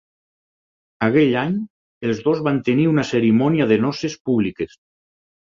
Aquell any, els dos van tenir una cerimònia de noces públiques.